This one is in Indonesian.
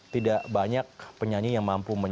tidak banyak penyanyi yang memiliki kemampuan